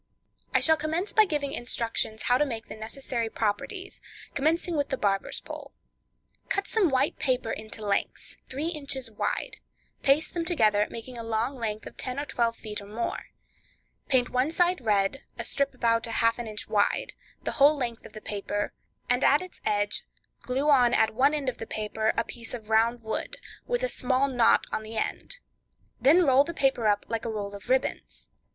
I shall commence by giving instructions how to make the necessary properties, commencing with the Barber's Pole. Cut some white paper into lengths, three inches wide; paste them together, making a long length of ten or twelve feet or more; paint one side red, a strip about half an inch wide, the whole length of the paper, and at its edge; glue on at one end of the paper a piece of round wood, with a small knot on the end; then roll the paper up like a roll of ribbons.